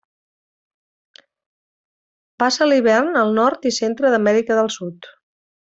Passa l'hivern al nord i centre d'Amèrica del Sud.